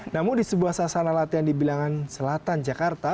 namun di sebuah sasana latihan di bilangan selatan jakarta